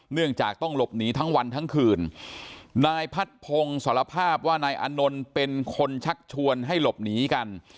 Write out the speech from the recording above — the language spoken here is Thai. เนื่องจากต้องหลบหนีทั้งวันทั้งคืนนายพัดพงศ์สารภาพว่านายอานนท์เป็นคนชักชวนให้หลบหนีกัน